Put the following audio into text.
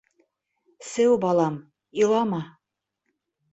— Сеү, балам, илама.